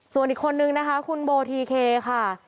ส่วนอีกคนนึงนะคะคุณโบทีเคค่ะ